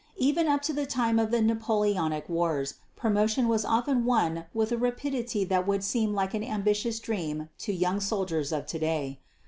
Even up to the time of the Napoleonic Wars, promotion was often won with a rapidity that would seem like an ambitious dream to young soldiers of to day.